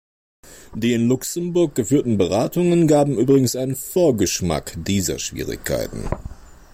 Die in Luxemburg geführten Beratungen gaben übrigens einen Vorgeschmack dieser Schwierigkeiten.